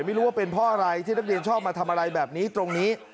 ไม่รู้ว่าเป็นเพราะอะไรที่นักเรียนชอบมาทำอะไรแบบนี้ตรงนี้